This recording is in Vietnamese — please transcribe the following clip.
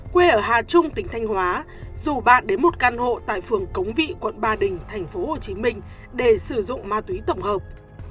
quê ở hà trung tỉnh thanh hóa rủ bạn đến một căn hộ tại phường cống vị quận ba đình thành phố hồ chí minh để sử dụng ma túy tổng hợp